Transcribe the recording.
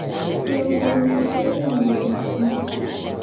Kilongozi upoie ndeunaa machu.